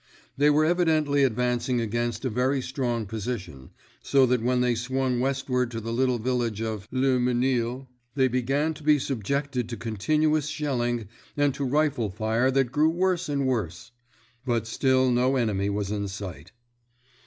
They were evidently advancing against a very strong position, so that when they swung westward to the little village of Le Mesnil they began to be subjected to continuous shelling and to rifle fire that grew worse and worse. But still no enemy was in sight.